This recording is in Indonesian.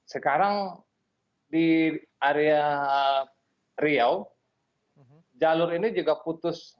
sekarang di area riau jalur ini juga putus